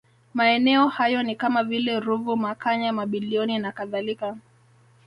Maeneo hayo ni kama vile Ruvu Makanya Mabilioni na kadhalika